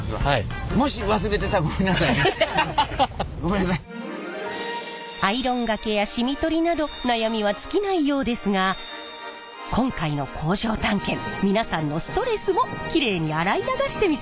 それアイロンがけやしみ取りなど悩みは尽きないようですが今回の工場探検皆さんのストレスもキレイに洗い流してみせますよ！